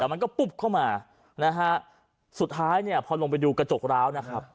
แต่มันก็ปุ๊บเข้ามานะฮะสุดท้ายเนี่ยพอลงไปดูกระจกร้าวนะครับ